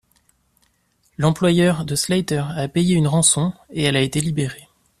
L'employeur de Slater a payé une rançon et elle a été libérée.